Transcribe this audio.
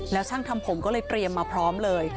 แล้วช่างทำผมก็เลยเตรียมมาพร้อมเลย